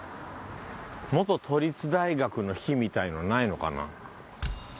元都立大学の碑みたいなのないのかな？